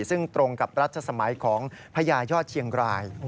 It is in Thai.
ซึ่งตรงกับรัชสมัยของพญายอดเชียงราย